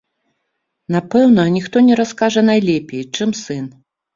Напэўна, ніхто не раскажа найлепей, чым сын.